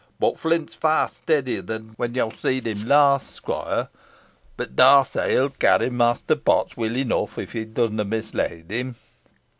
Boh Flint's far steadier than when yo seed him last, squoire. Ey dar say he'll carry Mester Potts weel enough, if he dusna mislest him."